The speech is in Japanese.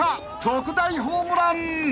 特大ホームラン］